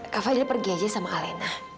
kak fadil pergi aja sama ale